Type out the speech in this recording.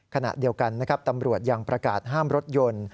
ขณะเดียวกันนะครับตำรวจยังประกาศห้ามรถยนต์